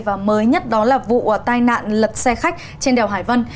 và mới nhất đó là vụ tai nạn lật xe khách trên đèo hải vân